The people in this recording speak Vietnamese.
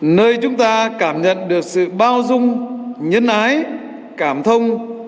nơi chúng ta cảm nhận được sự bao dung nhân ái cảm thông